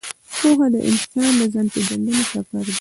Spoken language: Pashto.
پوهه د انسان د ځان پېژندنې سفر دی.